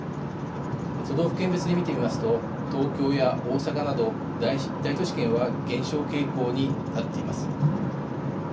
都道府県別に見てみますと東京や大阪など大都市圏は減少傾向になっています。